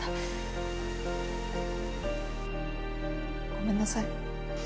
ごめんなさい。